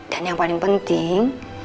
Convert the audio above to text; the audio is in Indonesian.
dan yang paling penting